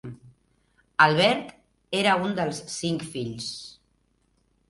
Albert era un dels cinc fills.